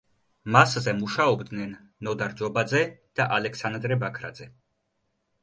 მასზე მუშაობდნენ ნოდარ ჯობაძე და ალექსანდრე ბაქრაძე.